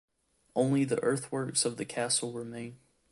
Only the earthworks of the castle remain.